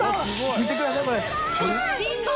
見てくださいこれ！